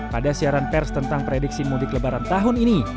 pada siaran pers tentang prediksi mudik lebaran tahun ini